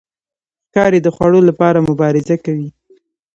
ښکاري د خوړو لپاره مبارزه کوي.